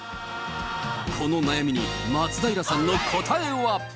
この悩みに松平さんの答えは。